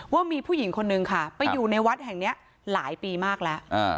ว่ามีผู้หญิงคนนึงค่ะไปอยู่ในวัดแห่งนี้หลายปีมากแล้ว